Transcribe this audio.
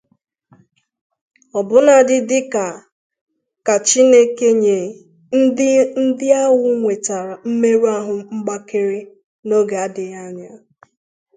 ọbụnadị dịka ka Chineke nye ndị ndị ahụ nwetara mmerụahụ mgbakere n'oge adịghị anya.